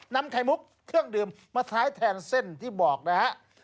ไข่มุกเครื่องดื่มมาท้ายแทนเส้นที่บอกนะฮะ